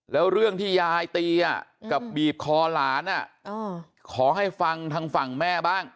แล้วเรื่องที่ยายตีกับบีบคอหลานขอให้ฟังทางฝั่งแม่บ้าง